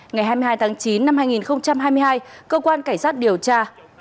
ngày hai mươi hai tháng chín năm hai nghìn hai mươi hai cơ quan cảnh sát điều tra